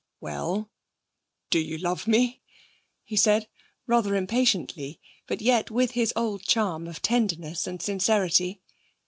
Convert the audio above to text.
'Well, do you love me?' he said rather impatiently, but yet with his old charm of tenderness and sincerity.